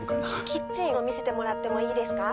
キッチンを見せてもらってもいいですか？